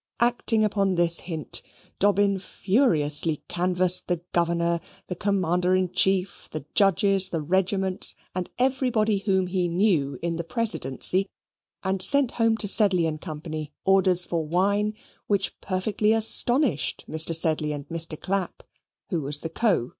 Acting upon this hint, Dobbin furiously canvassed the governor, the commander in chief, the judges, the regiments, and everybody whom he knew in the Presidency, and sent home to Sedley and Co. orders for wine which perfectly astonished Mr. Sedley and Mr. Clapp, who was the Co.